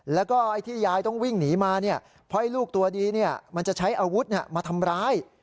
แล้วก็ไอ้ที่ยายต้องวิ่งหนีมาเนี่ยเพราะไอ้ลูกตัวดีมันจะใช้อาวุธมาทำร้าย